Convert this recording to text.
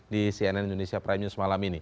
di cnn indonesia prime news malam ini